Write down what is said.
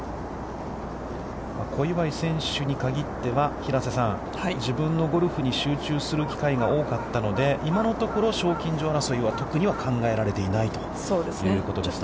小祝選手に限っては、平瀬さん、自分のゴルフに集中する機会が多かったので今のところ、賞金女王争いは特には考えられていないということですね。